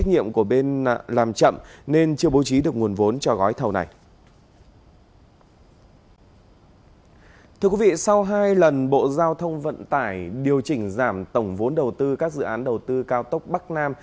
thưa quý vị sau hai lần bộ giao thông vận tải điều chỉnh giảm tổng vốn đầu tư các dự án đầu tư cao tốc bắc nam